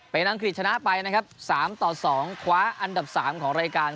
เป็นอังกฤษชนะไปนะครับ๓ต่อ๒คว้าอันดับ๓ของรายการ